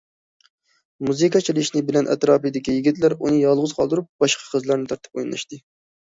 مۇزىكا چېلىنىشى بىلەن ئەتراپىدىكى يىگىتلەر ئۇنى يالغۇز قالدۇرۇپ باشقا قىزلارنى تارتىپ ئوينىشاتتى.